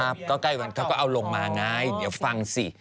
ภาพเก่าเก่าเขาก็เอาลงมาง่ายเดี๋ยวฟังสิ